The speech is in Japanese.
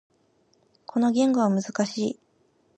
この言語は難しい。